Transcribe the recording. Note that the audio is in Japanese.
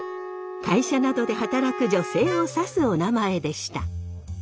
会社などで働く女性を指すおなまえでした。